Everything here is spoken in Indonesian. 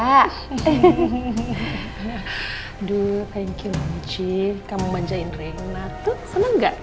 aduh thank you tante michi kamu banjain reina tuh senang gak